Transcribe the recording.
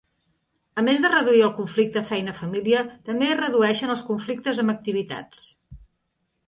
A més de reduir el conflicte feina-família, també es redueixen els conflictes amb activitats.